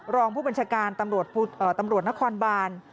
รองผู้บัญชาการตำรวจนครบาน